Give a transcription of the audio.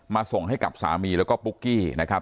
ส่งให้กับสามีแล้วก็ปุ๊กกี้นะครับ